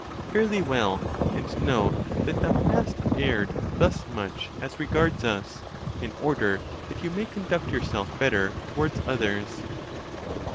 Fare thee well, and know that thou hast erred thus much as regards us, in order that you may conduct yourself better to wards others.